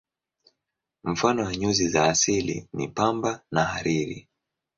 Mifano ya nyuzi za asili ni pamba na hariri.